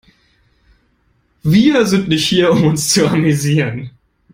Wir sind nicht hier, um uns zu amüsieren.